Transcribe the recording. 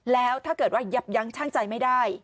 แล้วถ้าเกิดว่ายับยั้งช่างใจไม่ได้